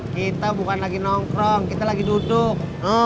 kita bukan lagi nongkrong kita lagi duduk